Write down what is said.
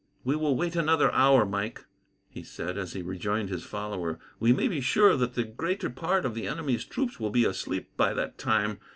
"We will wait another hour, Mike," he said, as he rejoined his follower. "We may be sure that the greater part of the enemy's troops will be asleep by that time.